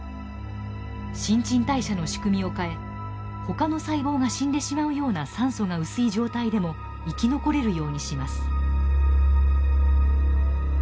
新陳代謝の仕組みを変えほかの細胞が死んでしまうような酸素が薄い状態でも生き残れるようにします。